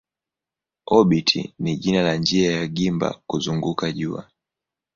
Obiti ni jina la njia ya gimba kuzunguka jua.